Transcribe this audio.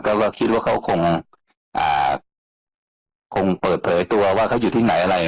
ก็คิดว่าเขาคงเปิดเผยตัวว่าเขาอยู่ที่ไหนอะไร